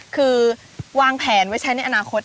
คือวางแผนไว้ใช้ในอนาคต